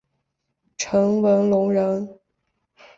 陈文龙人。